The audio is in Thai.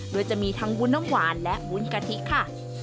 โดยจะมีทั้งวุ้นน้ำหวานและวุ้นกะทิค่ะ